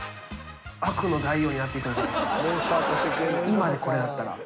今でこれだったら。